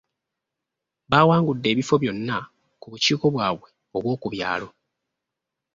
Baawangude ebifo byonna ku bukiiko bwabwe obw’oku byalo.